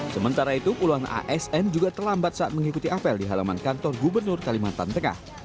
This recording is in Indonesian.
sementara itu puluhan asn juga terlambat saat mengikuti apel di halaman kantor gubernur kalimantan tengah